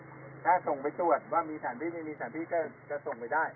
ครับผมถ้าส่งไปตรวจว่ามีสารพิษไม่มีสารพิษก็ส่งไปได้